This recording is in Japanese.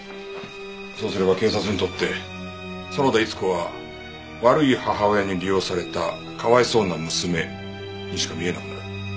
そうすれば警察にとって園田逸子は「悪い母親に利用されたかわいそうな娘」にしか見えなくなる。